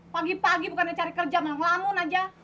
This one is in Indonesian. pagi pagi bukannya cari kerja malah ngelamun aja